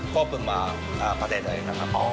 พอพึงมาประเทศไทยนะครับ